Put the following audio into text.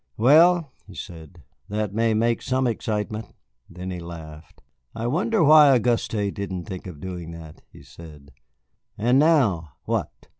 "Well," he said, "that may make some excitement." Then he laughed. "I wonder why Auguste didn't think of doing that," he said. "And now, what?"